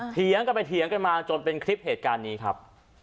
เถียงกันไปเถียงกันมาจนเป็นคลิปเหตุการณ์นี้ครับ